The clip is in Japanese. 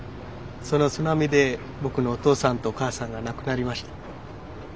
その津波で僕のお父さんとお母さんが亡くなりました。